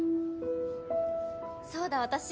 そうだ私